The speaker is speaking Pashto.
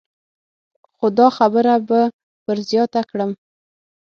خو دا خبره به پر زیاته کړم.